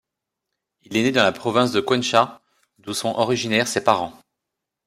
Il est né dans la province de Cuenca d'où sont originaires ses parents.